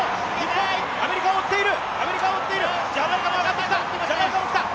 アメリカ追っている。